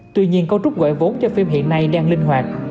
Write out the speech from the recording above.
tuy nhiên cấu trúc gọi vốn cho phim hiện nay đang linh hoạt